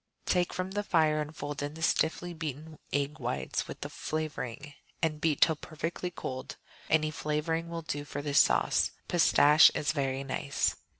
Take from the fire and fold in the stiffly beaten egg whites with the flavoring, and beat till perfectly cold. Any flavoring will do for this sauce; pistache is very nice.